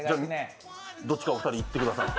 どっちかお二人いってください。